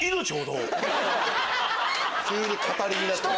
急に語りになってる。